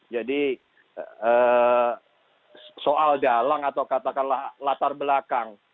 jadi soal dalang atau katakanlah latar belakang